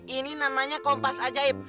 ini namanya kompas ajaib